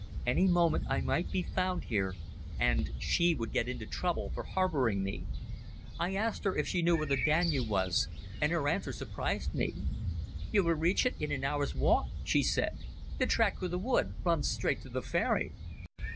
Any moment I might be found here, and she would get into trouble for harbouring me. I asked her if she knew where the Danube was, and her answer surprised me. "You will reach it in an hour's walk," she said. "The track through the wood runs straight to the ferry."